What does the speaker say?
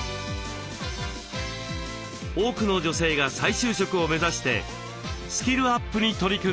多くの女性が再就職を目指してスキルアップに取り組んでいます。